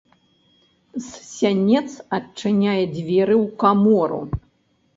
З сянец адчыняе дзверы ў камору.